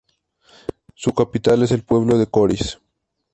Su capital es el pueblo de Coris.